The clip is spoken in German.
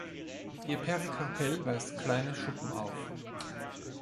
Ihr Perikarpell weist kleine Schuppen auf.